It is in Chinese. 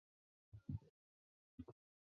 七世雪谦冉江仁波切是他的外孙。